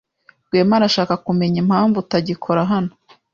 Rwema arashaka kumenya impamvu utagikora hano.